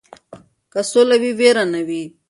که سوله وي ویره نه وي.